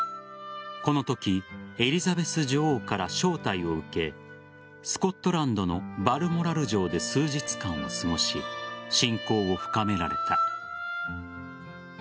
このときエリザベス女王から招待を受けスコットランドのバルモラル城で数日間を過ごし親交を深められた。